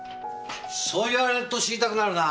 そう言われると知りたくなるな。